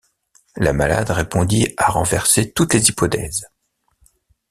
La malade répondit à renverser toutes les hypothèses.